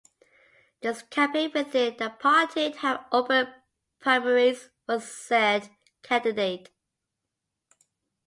There is a campaign within that party to have open primaries for said candidate.